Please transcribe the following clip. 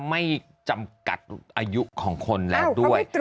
ไม่จำกัดอายุของคนแล้วด้วย